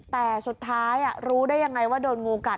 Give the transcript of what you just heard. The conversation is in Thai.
แต่สุดท้ายรู้ได้ยังไงว่าโดนงูกัด